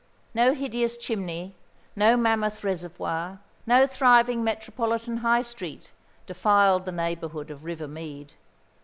No hideous chimney, no mammoth reservoir, no thriving metropolitan High Street, defiled the neighbourhood of River Mead.